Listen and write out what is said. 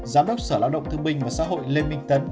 giám đốc sở lao động thương minh và xã hội lê minh tấn